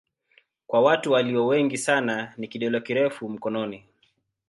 Kwa watu walio wengi sana ni kidole kirefu mkononi.